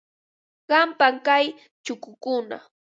Qampam kay chukukuna.